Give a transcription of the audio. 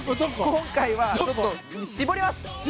今回は絞ります。